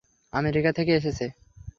America থেকে এসেছে।